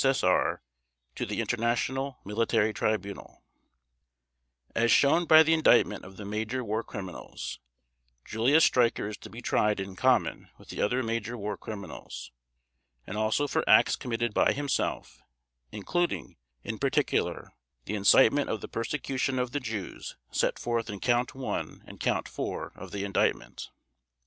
S.S.R. TO THE INTERNATIONAL MILITARY TRIBUNAL As shown by the Indictment of the major war criminals, Julius Streicher is to be tried in common with the other major war criminals and also for acts committed by himself, including, in particular, the incitement of the persecution of the Jews set forth in Count One and Count Four of the Indictment.